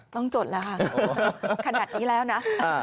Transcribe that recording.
จดแล้วค่ะขนาดนี้แล้วนะ